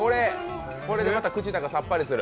これでまた口の中さっぱりする？